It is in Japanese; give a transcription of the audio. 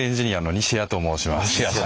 西谷さん。